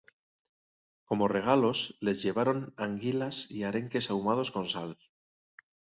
Como regalos les llevaron anguilas y arenques ahumados con sal.